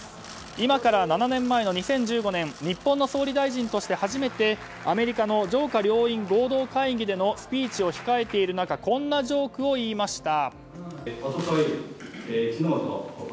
今から７年前の２０１５年日本の総理大臣として初めてアメリカの上下両院合同会議でのスピーチを控えている中こんなジョークを言いました。